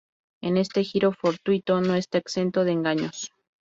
En este giro fortuito no está exento de engaños.